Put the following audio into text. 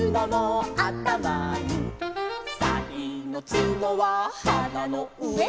「さいのつのははなの上」